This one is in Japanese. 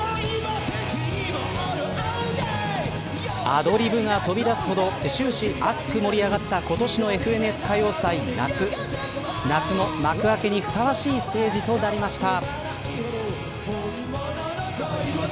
アドリブが飛び出すほど終始熱く盛り上がった今年のＦＮＳ歌謡祭夏夏の幕開けにふさわしいステージとなりました。